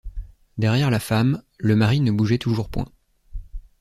Derrière la femme, le mari ne bougeait toujours point.